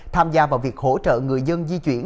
tham gia vào việc hỗ trợ người dân di chuyển